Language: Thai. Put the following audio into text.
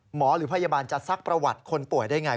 หรือพยาบาลจะซักประวัติคนป่วยได้ไง